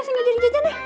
saya ngejajan ngejajan ya